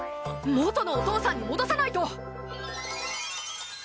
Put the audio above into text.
元のお父さんに戻さないと！